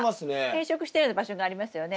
変色したような場所がありますよね。